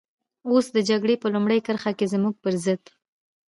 اوس د جګړې په لومړۍ کرښه کې زموږ پر ضد.